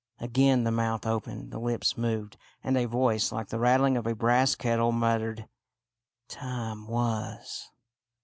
Again the mouth opened, the lips moved, and a voice like the rattling of a brass kettle muttered, —" Time was